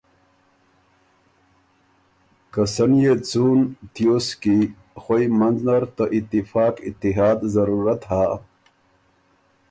که سن يې څُون تیوس کی خوئ منځ نر ته اتفاق اتحاد ضرورت هۀ،